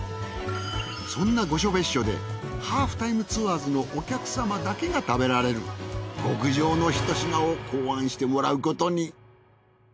そんな御所別墅で『ハーフタイムツアーズ』のお客様だけが食べられる極上の一品を考案してもらうことに。